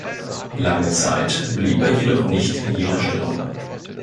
Lange Zeit blieb er jedoch nicht in jener Stellung.